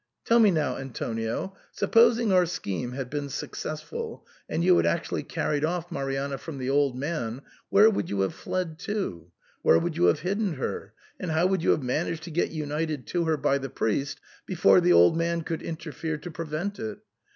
Tell me now, Antonio, supposing our scheme had been successful, and you had actually carried off Marianna from the old man, where would you have fled to, where would you have hidden her, and how would you have managed to get united to her by the priest before the old man could interfere to pre vent it